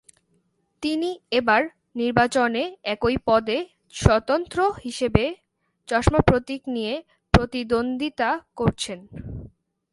তিনি এবার নির্বাচনে একই পদে স্বতন্ত্র হিসেবে চশমা প্রতীক নিয়ে প্রতিদ্বন্দ্বিতা করছেন।